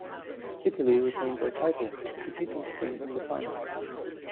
Italy retained their title, defeating Spain in the final.